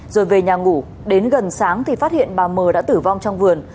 rồi về nhà ngủ đến gần sáng thì phát hiện bà mờ đã tử vong trong vườn